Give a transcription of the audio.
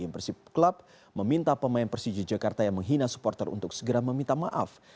persib club meminta pemain persija jakarta yang menghina supporter untuk segera meminta maaf